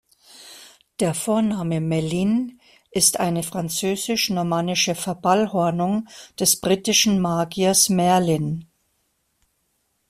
Der Vorname "Mellin" ist eine französisch-normannische Verballhornung des britischen Magiers Merlin.